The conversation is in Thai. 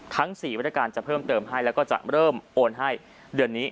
ทั้ง๔วัตการจะเพิ่มเติมให้แล้วก็จะเริ่มโอนให้เดือนนี้